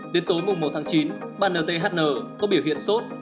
đến tối một tháng chín bnthn có biểu hiện sốt